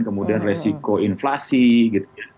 kemudian resiko inflasi gitu